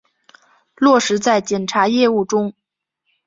落实在检察业务中